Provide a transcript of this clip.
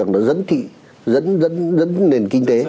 đang muốn cái thị trường đó dẫn nền kinh tế